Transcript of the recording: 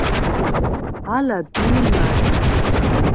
ალა დი̄ნა ლი.